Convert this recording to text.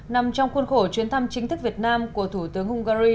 nằm trong khuôn khổ chuyến thăm chính thức việt nam của thủ tướng hungary